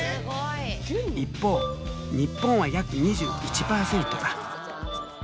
一方日本は約２１％だ。